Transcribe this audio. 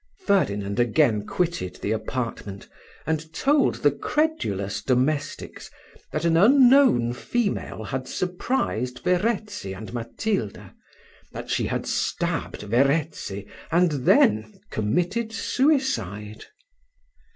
Ferdinand again quitted the apartment, and told the credulous domestics, that an unknown female had surprised Verezzi and Matilda; that she had stabbed Verezzi, and then committed suicide.